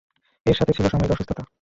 এর সাথে ছিল সাময়িক অসুস্থতা।